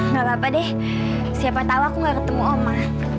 gak apa apa deh siapa tahu aku gak ketemu oma